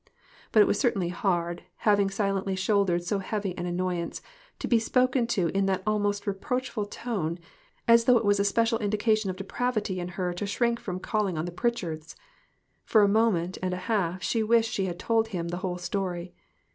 But it was certainly hard, having silently shouldered so heavy an annoyance, to be spoken to in that almost reproachful tone, as though it was a spe cial indication of depravity in her to shrink from calling on the Pritchards. For a minute and a half she wished she had told him the whole story.